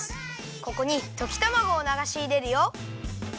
ここにときたまごをながしいれるよ。